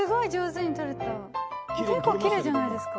結構きれいじゃないですか？